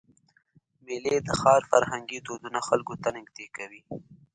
میلې د ښار فرهنګي دودونه خلکو ته نږدې کوي.